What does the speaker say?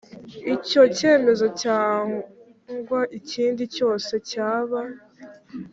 Icyo cyemezo cyangwa ikindi cyose cyaba